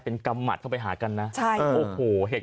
เป็นกำหมัดเข้าไปหากันนะโอ้โหเหตุการณ์